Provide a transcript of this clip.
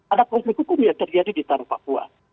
ada konflik hukum yang terjadi di tanah papua